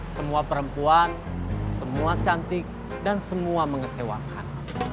semua perempuan semua cantik dan semua mengecewakan